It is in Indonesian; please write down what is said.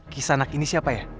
kisah anak ini siapa ya